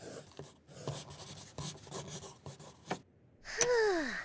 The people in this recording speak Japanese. ふう。